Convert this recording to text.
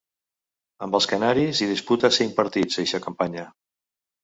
Amb els canaris hi disputa cinc partits eixa campanya.